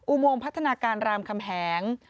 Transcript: โมงพัฒนาการรามคำแหง